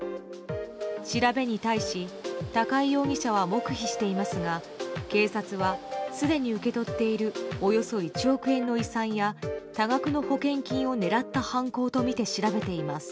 調べに対し高井容疑者は黙秘していますが警察はすでに受け取っているおよそ１億円の遺産や多額の保険金を狙った犯行とみて調べています。